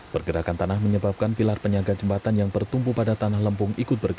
pergerakan tanah menyebabkan pilar penyaga jembatan yang bertumpu pada tanah lempung